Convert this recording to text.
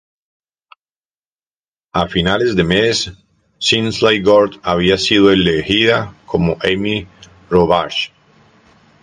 A finales de mes, Lindsey Gort había sido elegida como Amy Rohrbach.